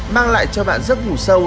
mang lại cho bạn rắc ngủ sâu